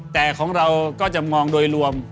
แต่ของเราก็จะมองโดยรวม